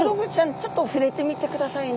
ちょっと触れてみてくださいね。